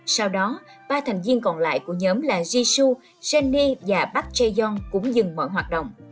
sau đó ba thành viên còn lại của nhóm là jisoo jennie và park jaehyun cũng dừng mọi hoạt động